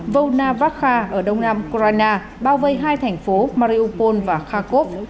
volna vakha ở đông nam ukraine bao vây hai thành phố mariupol và kharkov